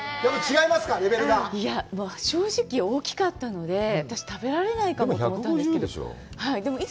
いや、もう正直大きかったので、私、食べられないかもと思ったんですけど。